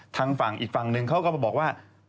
ทางฝั่งอีกฝั่งหนึ่งเขาก็มาบอกว่า